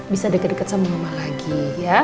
bisa deket deket sama mama lagi ya